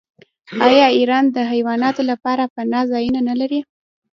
آیا ایران د حیواناتو لپاره پناه ځایونه نلري؟